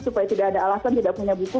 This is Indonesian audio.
supaya tidak ada alasan tidak punya buku